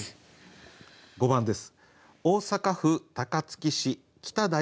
５番です。